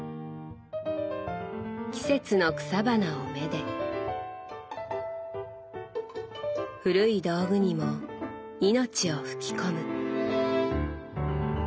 季節の草花を愛で古い道具にも命を吹き込む。